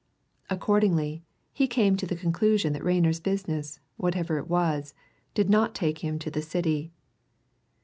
Accordingly, he came to the conclusion that Rayner's business, whatever it was, did not take him to the City.